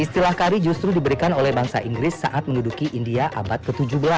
istilah kari justru diberikan oleh bangsa inggris saat menduduki india abad ke tujuh belas